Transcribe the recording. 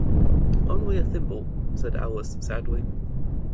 ‘Only a thimble,’ said Alice sadly.